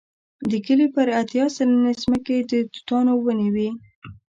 د کلي پر اتیا سلنې ځمکې د توتانو ونې وې.